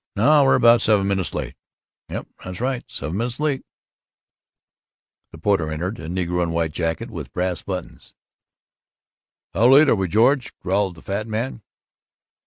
"No, we're about seven minutes late." "Yuh, that's right; seven minutes late." The porter entered a negro in white jacket with brass buttons. "How late are we, George?" growled the fat man.